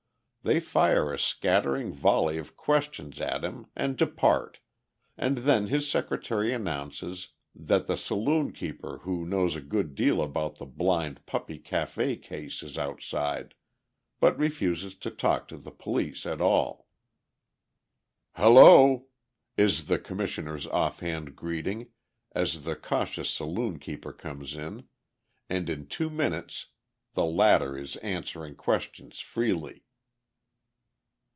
They fire a scattering volley of questions at him and depart, and then his secretary announces that the saloon keeper who knows a good deal about the Blind Puppy Café case is outside, but refuses to talk to the police at all. "Hullo!" is the Commissioner's off hand greeting as the cautious saloon keeper comes in, and in two minutes the latter is answering questions freely.